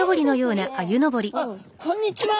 あっこんにちは。